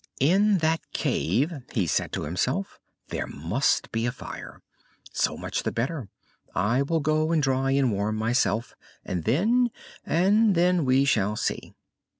"In that cave," he said to himself, "there must be a fire. So much the better. I will go and dry and warm myself, and then? and then we shall see."